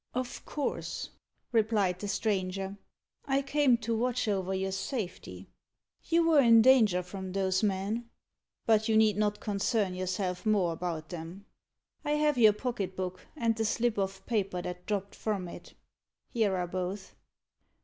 "Of course," replied the stranger. "I came to watch over your safety. You were in danger from those men. But you need not concern yourself more about them. I have your pocket book, and the slip of paper that dropped from it. Here are both.